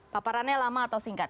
paparannya lama atau singkat